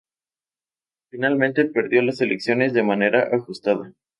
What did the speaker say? Finalmente perdió las elecciones, de manera ajustada.